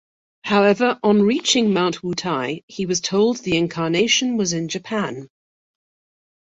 However, on reaching Mount Wutai, he was told the incarnation was in Japan.